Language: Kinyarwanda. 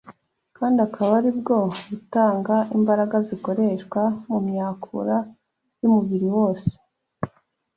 kandi akaba ari bwo butanga imbaraga zikoreshwa mu myakura y’umubiri wose,